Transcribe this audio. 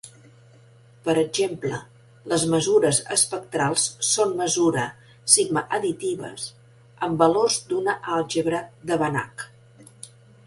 Per exemple, les mesures espectrals són mesure sigma-additives amb valors d'una àlgebra de Banach.